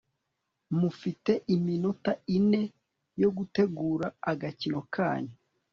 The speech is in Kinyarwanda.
mufite iminota ineyo gutegura agakino kanyu